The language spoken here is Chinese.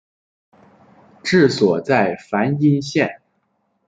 治所在汾阴县。